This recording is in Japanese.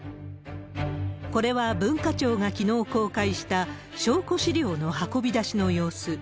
これは文化庁がきのう公開した、証拠資料の運び出しの様子。